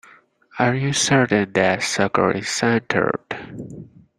Are you certain that circle is centered?